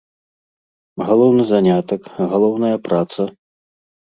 Галоўны занятак, галоўная праца?